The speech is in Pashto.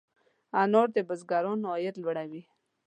انار د بزګرانو عاید لوړوي.